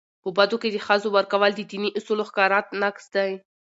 په بدو کي د ښځو ورکول د دیني اصولو ښکاره نقض دی.